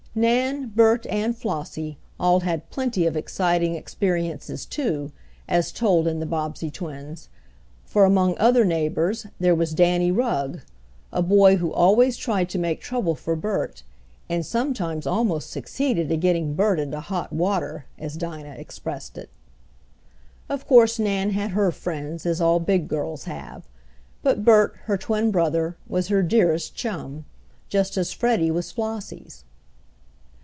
Nan, Bert, and Flossie all had plenty of exciting experiences too, as told in "The Bobbsey Twins," for among other neighbors there was Danny Rugg, a boy who always tried to make trouble for Bert, and sometimes almost succeeded in getting Bert into "hot water," as Dinah expressed it. Of course Nan had her friends, as all big girls have, but Bert, her twin brother, was her dearest chum, just as Freddie was Flossie's.